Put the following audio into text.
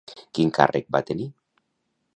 Quin càrrec va tenir?